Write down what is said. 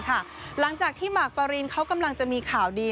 หลังจากที่หมากฟารินเขากำลังจะมีข่าวดี